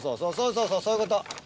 そうそうそういうこと。